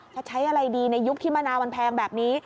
จะใช้อะไรดีในยุคที่มะนาวมันแพงแบบนี้